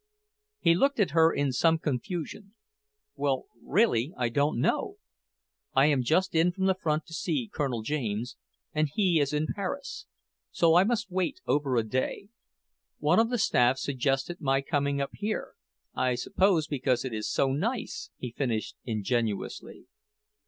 He looked at her in some confusion. "Well, really, I don't know! I am just in from the front to see Colonel James, and he is in Paris, so I must wait over a day. One of the staff suggested my coming up here I suppose because it is so nice!" he finished ingenuously.